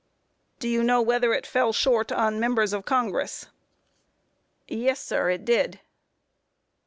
Q. Do you know whether it fell short on members of Congress? A. Yes, sir, it did.